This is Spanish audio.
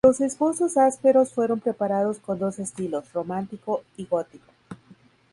Los esbozos ásperos fueron preparados en dos estilos, románico y gótico.